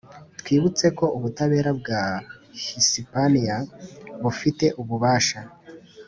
twibutse ko ubutabera bwa hisipaniya bufite ububasha